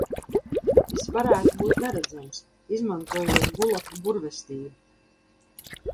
Es varēt būt neredzams, izmantojot gulapa burvestību!